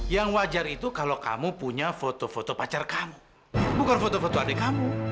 yang wajar itu kalau kamu punya foto foto pacar kamu bukan foto foto adik kamu